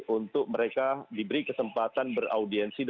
untuk melawan wabah covid sembilan belas